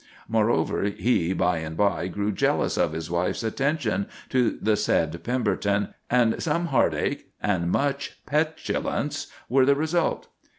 Moreover, he by and by grew jealous of his wife's attention to the said Pemberton, and some heartache and much petulance were the result.